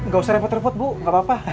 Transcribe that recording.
gak usah repot repot bu gak apa apa